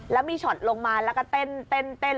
แล้วมีช็อตลงมาแล้วก็เต้น